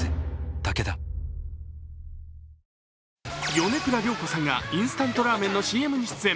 米倉涼子さんがインスタントラーメンのＣＭに出演。